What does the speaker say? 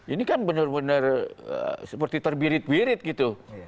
ini kan bener bener seperti terbirit birit gitu